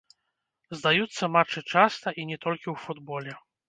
Здаюцца матчы часта, і не толькі ў футболе.